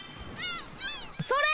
それ！